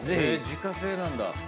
自家製なんだ。